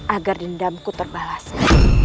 agar dendamku terbalaskan